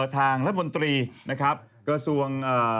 ทางประบอบบนตรีกระโสง